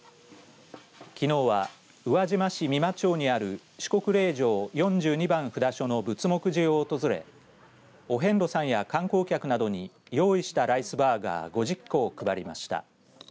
きのうは宇和島市三間町にある四国霊場４２番札所の仏木寺を訪れお遍路さんや観光客などに用意したライスバーガー５０個を配りました。